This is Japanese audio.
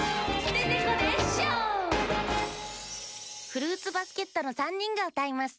フルーツバスケットのさんにんがうたいます。